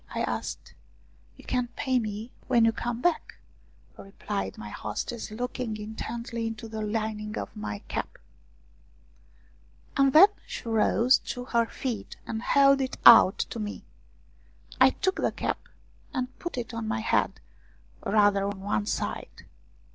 " I asked. " You can pay me when you come back," replied my hostess, looking intently into the lining of my cap. And then she rose to her feet and held it out to me. I took the cap, and put it on my head, rather on one side.